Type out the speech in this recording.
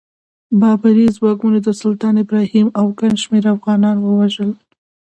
بابري ځواکونو د سلطان ابراهیم او ګڼ شمېر افغانان ووژل.